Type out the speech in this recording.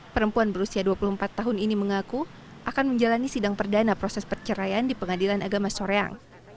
perempuan berusia dua puluh empat tahun ini mengaku akan menjalani sidang perdana proses perceraian di pengadilan agama soreang